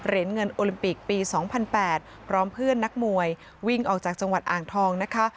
เหรียญเงินโอลิมปิกปี๒๐๐๘พร้อมเพื่อนนักมวยวิ่งออกจากจังหวัดอ่างทองนะคะ